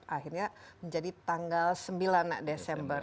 akhirnya menjadi tanggal sembilan desember